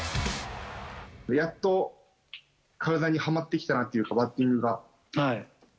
やっと体にはまってきたなっていうか、バッティングが。